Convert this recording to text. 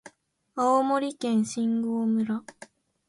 青森県新郷村